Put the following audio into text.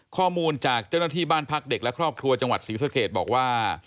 ข้อมูลจากเจ้าหน้าที่บ้านพักเด็กและครอบครัวจังหวัดศรีสเกตบอกว่า